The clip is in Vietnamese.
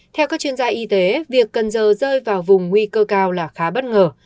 theo các chuyên gia y tế việc cần giờ rơi vào vùng nguy cơ cao là khá bất ngờ